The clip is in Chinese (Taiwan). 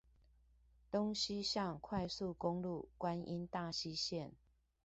東西向快速公路觀音大溪線